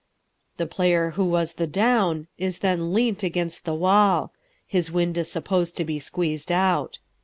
The player who was the Down is then leant against the wall; his wind is supposed to be squeezed out.